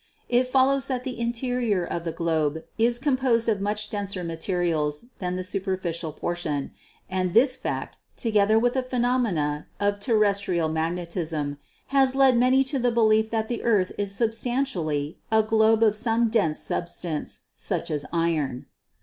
It follows that the interior of the globe is composed of much denser materials than the superficial portion, and this fact, together with the phenomena of terrestrial mag netism, has led many to the belief that the earth is sub stantially a globe of some dense substance, such as iron.